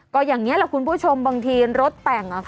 ก็อย่างนี้แหละคุณผู้ชมบางทีรถแต่ง